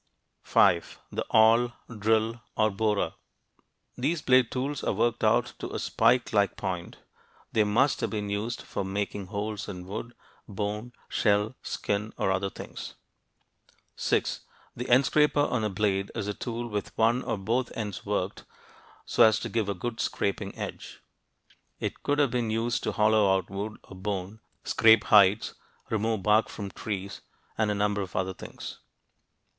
5. The "awl," "drill," or "borer." These blade tools are worked out to a spike like point. They must have been used for making holes in wood, bone, shell, skin, or other things. [Illustration: DRILL OR AWL] 6. The "end scraper on a blade" is a tool with one or both ends worked so as to give a good scraping edge. It could have been used to hollow out wood or bone, scrape hides, remove bark from trees, and a number of other things (p.